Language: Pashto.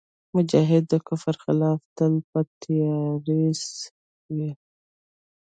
مجاهد د کفر خلاف تل په تیارسئ وي.